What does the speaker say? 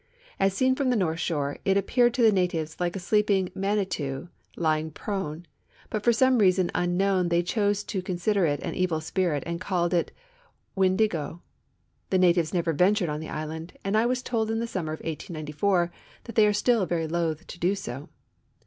As seen from the north shore, it appeared to the natives like a sleeping Manitoii lying prone, hut for some reason unknown they chose to consider it an evil spirit and called it Wimligo. The natives never ventured on the island, and I was told in the summer of 1894 that they are still very loth to do so.